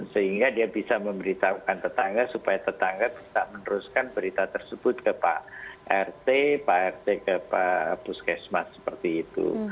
sehingga dia bisa memberitahukan tetangga supaya tetangga bisa meneruskan berita tersebut ke pak rt pak rt ke pak puskesmas seperti itu